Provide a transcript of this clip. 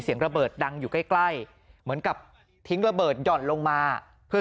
เสียงระเบิดดังอยู่ใกล้ใกล้เหมือนกับทิ้งระเบิดหย่อนลงมาเพื่อ